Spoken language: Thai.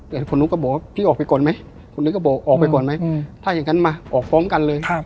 แต่คนนู้นก็บอกว่าพี่ออกไปก่อนไหมคนนู้นก็บอกออกไปก่อนไหมถ้าอย่างนั้นมาออกพร้อมกันเลย